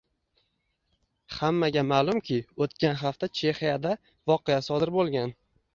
Hammaga ma'lumki, o'tgan hafta Chexiyada voqea sodir bo'lgan